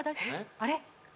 あれ？